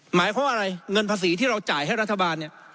หมายความว่าอะไรเงินภาษีที่เราจ่ายให้รัฐบาลเนี่ย